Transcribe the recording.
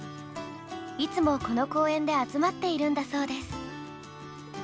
いつもこの公園で集まっているんだそうです。